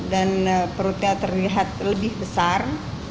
dan perutnya terlihat lebih besar